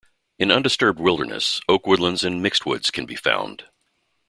In undisturbed wilderness, oak woodlands and mixed woods can be found.